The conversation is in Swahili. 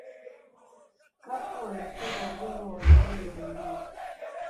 cafu ameshinda ubingwa wa dunia mara mbili